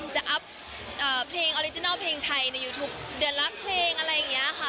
จะอัพเพลงออริจินัลเพลงไทยในยูทูปเดือนรักเพลงอะไรอย่างนี้ค่ะ